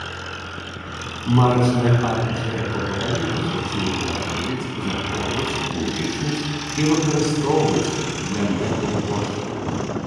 Марачныя аркушы такога памеру зручней перавозіць, захоўваць, улічваць і выкарыстоўваць для мэтаў пошты.